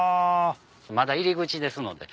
まだ入り口ですので。